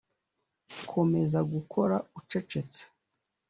komeza gukora ucecetse.